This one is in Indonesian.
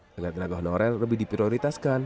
tenaga tenaga honorer lebih diprioritaskan